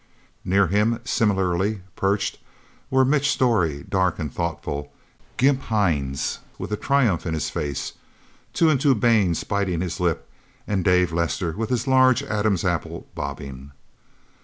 Near him, similarly perched, were Mitch Storey, dark and thoughtful, Gimp Hines with a triumph in his face, Two and Two Baines biting his lip, and Dave Lester with his large Adam's apple bobbing.